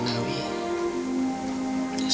sampai jumpa lagi